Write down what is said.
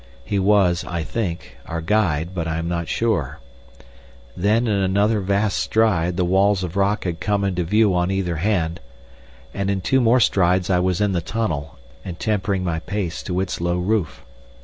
He was, I think, our guide, but I am not sure. Then in another vast stride the walls of rock had come into view on either hand, and in two more strides I was in the tunnel, and tempering my pace to its low roof.